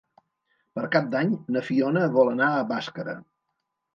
Per Cap d'Any na Fiona vol anar a Bàscara.